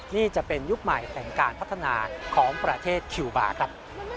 นี่จะเป็นยุคใหม่แห่งการพัฒนาของประเทศคิวบาร์ครับ